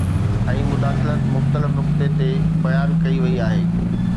۽ مداخلت مختلف نقطي تي بيان ڪئي وئي آهي